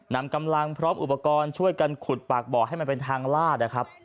นำกำลังพร้อมอุปกรณ์ช่วยกันขุดปากบ่อให้มันเป็นทางลาดนะครับ